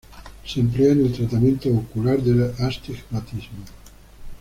Se emplea en el tratamiento ocular del astigmatismo.